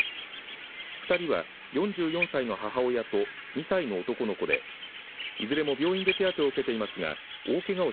２人は、４４歳の母親と２歳の男の子でいずれも病院で手当てを受けていますが大けがを